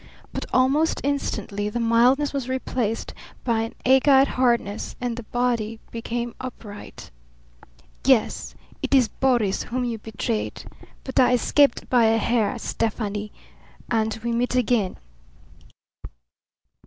But almost instantly the mildness was replaced by an agate hardness, and the body became upright. "Yes, it is Boris, whom you betrayed. But I escaped by a hair, Stefani; and we meet again."